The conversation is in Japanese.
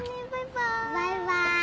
バイバイ。